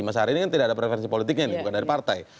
mas hari ini kan tidak ada preferensi politiknya nih bukan dari partai